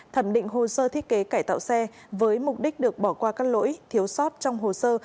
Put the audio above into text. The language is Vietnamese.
thẩm định hồ sơ thiết kế cải tạo xe với mục đích được bỏ qua các lỗi thiếu sót trong hồ sơ